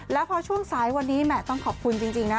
แล้วพอช่วงสายวันนี้แหม่ต้องขอบคุณจริงนะ